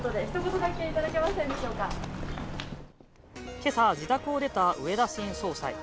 今朝、自宅を出た植田新総裁。